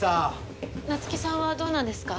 夏希さんはどうなんですか？